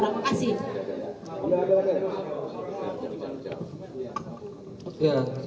yang biasa membantai orang makasih